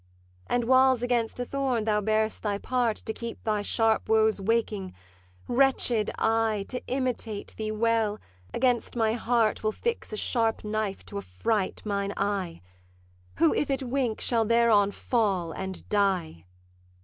'And whiles against a thorn thou bear'st thy part, To keep thy sharp woes waking, wretched I, To imitate thee well, against my heart Will fix a sharp knife to affright mine eye; Who, if it wink, shall thereon fall and die.